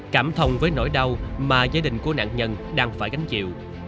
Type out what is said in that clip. cảm thông với nỗi đau mà gia đình của nạn nhân đang phải gánh chịu